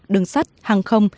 đường sắt hàng không